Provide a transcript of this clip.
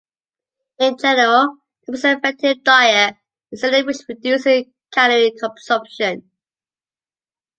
In general, the most effective diet is any which reduces calorie consumption.